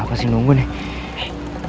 apa sih nunggu nih